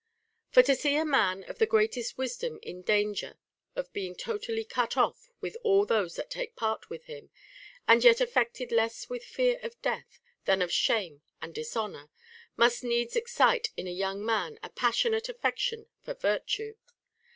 * For to see a man of the greatest wisdom in danger of being totally cut off with all those that take part with him, and yet affected less with fear of death than of shame and dis honor, must needs excite in a young man a passionate affection for virtue.